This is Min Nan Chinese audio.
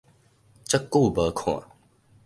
足久無看